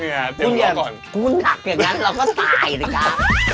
เนี่ยเต็มก่อนพูดอย่างนั้นคุณหักอย่างนั้นเราก็ตายเลยกัน